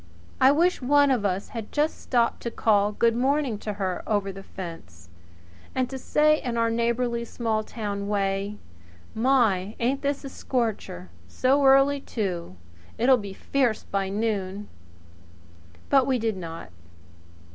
I wish one of us had just stopped to call good morning to her over the fence, and to say in our neighbourly, small town way: "My, ain't this a scorcher! So early too! It'll be fierce by noon!" But we did not.